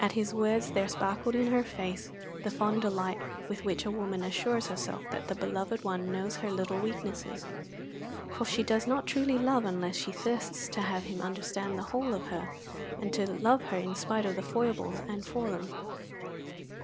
At his words there sparkled in her face the fond delight with which a woman assures herself that the beloved one knows her little weaknesses, for she does not truly love unless she thirsts to have him understand the whole of her, and to love her in spite of the foibles and for them.